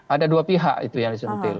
ada dua pihak itu yang disuntik